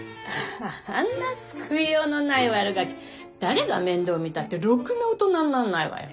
あんな救いようのないワルガキ誰が面倒見たってろくな大人になんないわよ。